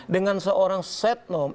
dengan seorang setnom